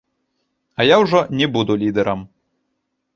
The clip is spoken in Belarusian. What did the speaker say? А я ўжо не буду лідэрам.